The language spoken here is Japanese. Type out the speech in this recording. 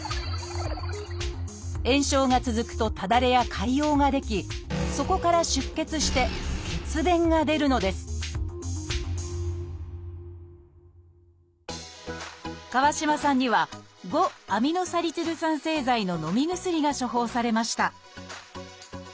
炎症が続くとただれや潰瘍が出来そこから出血して血便が出るのです川島さんには「５−アミノサリチル酸製剤」ののみ薬が処方されました。